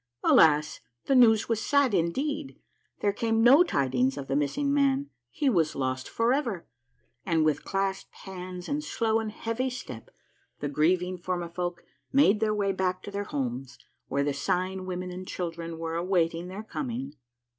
Alas ! the news was sad indeed. There came no tidings of the missing man. He was lost forever; and with clasped hands and slow and heavy step the grieving Formifolk made their way back to their homes, where the sighing women and children were awaiting their coming.